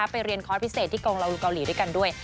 ไปเรียนคอร์สพิเศษที่กองลาวิเกาหลีด้วยกันด้วย